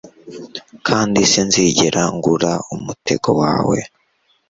kandi sinzigera ngura umutego wawe